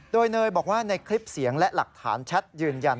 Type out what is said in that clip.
โดยเนยบอกว่าในคลิปเสียงและหลักฐานแชทยืนยัน